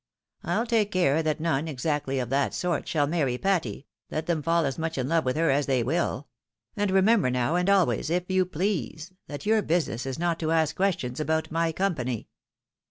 I'll take care that none, exactly ot that sort, shall marry Patty, let them fall as much in love with her as they win ; and remember now, and always, if you please, that your business is not to ask questions about my company.